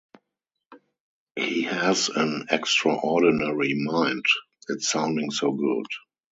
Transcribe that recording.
He has an extraordinary mind - it's sounding so good.